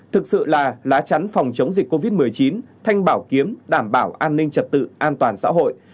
thực sự là lá chắn phòng chống dịch covid một mươi chín thanh bảo kiếm đảm bảo an ninh trật tự an toàn xã hội